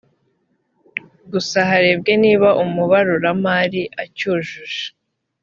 gusa harebwe niba umubaruramari acyujuje